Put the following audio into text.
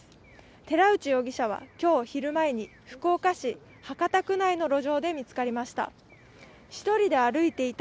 寺内容疑者は今日昼前に福岡市博多区内の路上で見つかりました。